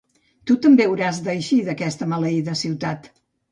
Tu també hauràs d'eixir d'aquesta maleïda ciutat.